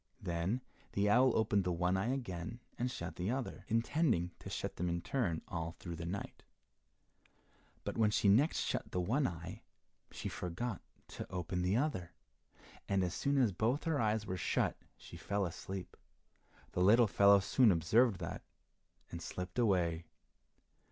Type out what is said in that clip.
Then the owl opened the one eye again, and shut the other, intending to shut them in turn all through the night. But when she next shut the one eye, she forgot to open the other, and as soon as both her eyes were shut she fell asleep. The little fellow soon observed that, and slipped away.